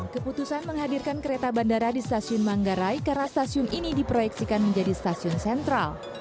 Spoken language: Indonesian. keputusan menghadirkan kereta bandara di stasiun manggarai karena stasiun ini diproyeksikan menjadi stasiun sentral